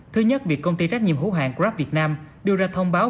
thứ nhất việc công ty trách nhiệm hữu hạng grab việt nam đưa ra thông báo